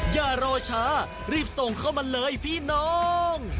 อย่ารอช้ารีบส่งเข้ามาเลยพี่น้อง